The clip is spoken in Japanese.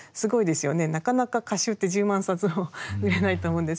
なかなか歌集って１０万冊も売れないと思うんですけど。